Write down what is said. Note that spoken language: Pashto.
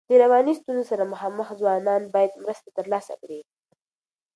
د رواني ستونزو سره مخامخ ځوانان باید مرسته ترلاسه کړي.